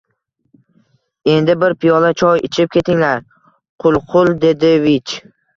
– Endi bir piyola choy ichib ketinglar, Qulqul Davedivich